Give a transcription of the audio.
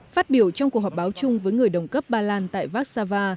phát biểu trong cuộc họp báo chung với người đồng cấp bà lan tại vác xa va